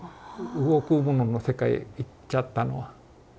動くものの世界へ行っちゃったのは。